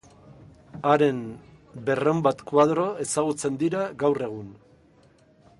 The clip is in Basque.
Haren berrehun bat koadro ezagutzen dira gaur egun.